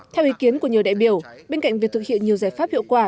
theo ý kiến của nhiều đại biểu bên cạnh việc thực hiện nhiều giải pháp hiệu quả